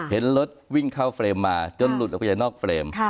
เห็นรถวิ่งเข้าเฟรมมาจนหลุดออกไปจากนอกเฟรม